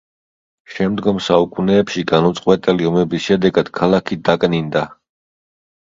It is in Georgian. შემდგომ საუკუნეებში განუწყვეტელი ომების შედეგად ქალაქი დაკნინდა.